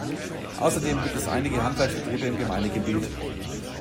Außerdem gibt es einige Handwerksbetriebe im Gemeindegebiet.